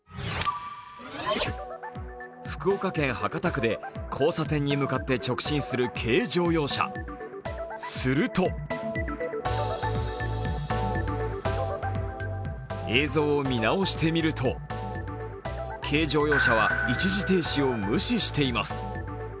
福岡県博多区で交差点に向かって直進する軽乗用車、すると映像を見直してみると軽乗用車は、一時停止を無視しています。